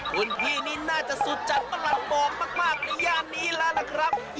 คุณพี่นี่น่าจะสุจรรย์ประหลักมองมากในยานนี้ล่ะนะครับ